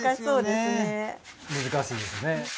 難しいですね。